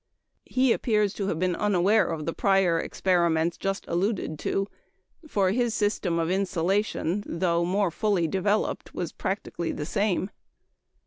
He appears to have been unaware of the prior experiments just alluded to, for his system of insulation, though more fully developed, was practically the same.